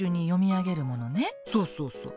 そうそうそう。